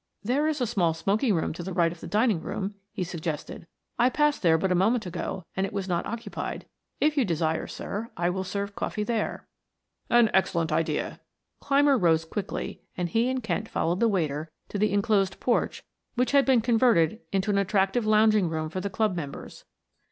"There is a small smoking room to the right of the dining room," he suggested. "I passed there but a moment ago and it was not occupied. If you desire, sir, I will serve coffee there." "An excellent idea." Clymer rose quickly and he and Kent followed the waiter to the inclosed porch which had been converted into an attractive lounging room for the club members.